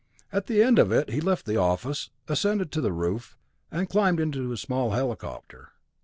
At the end of it, he left the office, ascended to the roof, and climbed into his small helicopter.